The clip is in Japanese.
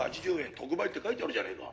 特売って書いてあるじゃねえか。